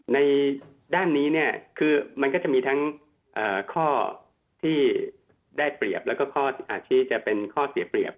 ในด้านนี้มันก็จะมีทั้งข้อที่ได้เปรียบและอาจจะเป็นข้อเสียเปรียบ